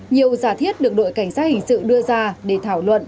nhiều giả thiết được đội cảnh sát hình sự đưa ra để thảo luận